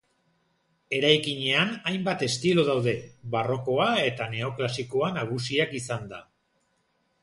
Eraikinean hainbat estilo daude, barrokoa eta neoklasikoa nagusiak izanda.